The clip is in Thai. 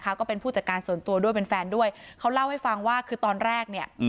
ก็เป็นผู้จัดการส่วนตัวด้วยเป็นแฟนด้วยเขาเล่าให้ฟังว่าคือตอนแรกเนี่ย